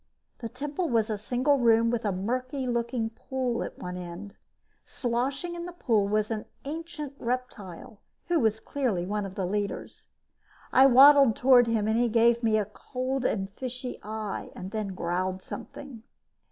The temple was a single room with a murky looking pool at one end. Sloshing in the pool was an ancient reptile who clearly was one of the leaders. I waddled toward him and he gave me a cold and fishy eye, then growled something.